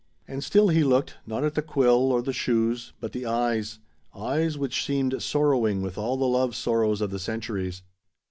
And still he looked, not at the quill or the shoes, but the eyes, eyes which seemed sorrowing with all the love sorrows of the centuries.